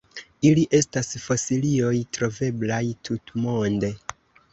Ili estas fosilioj troveblaj tutmonde.